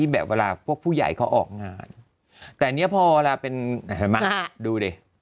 แบบเวลาพวกผู้ใหญ่เขาออกงานแต่อันนี้พอเวลาเป็นเห็นไหมดูดิ